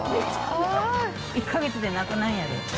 １か月でなくなるんやで。